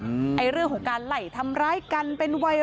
ช่องบ้านต้องช่วยแจ้งเจ้าหน้าที่เพราะว่าโดนฟันแผลเวิกวะค่ะ